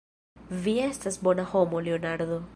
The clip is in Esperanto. Vi estas bona homo, Leonardo.